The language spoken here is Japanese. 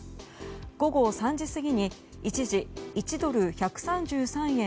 午後３時過ぎに一時１ドル＝１３３円